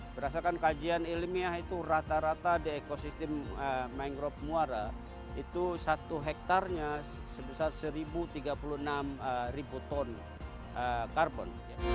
berdasarkan kajian ilmiah itu rata rata di ekosistem mangrove muara itu satu hektarnya sebesar satu tiga puluh enam ribu ton karbon